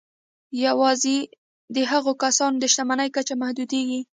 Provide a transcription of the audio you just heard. یوازې د هغو کسانو د شتمني کچه محدودېږي